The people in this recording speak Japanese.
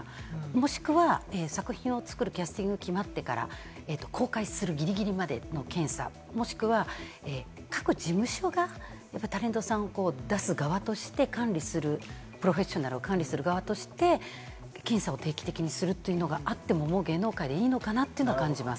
もしくは作品を作るキャスティングが決まってから公開するギリギリまでの検査、もしくは、各事務所がタレントさんを出す側として管理する、プロフェッショナルを管理する側として、検査を定期的にするというのがあってもいいのかなと感じます。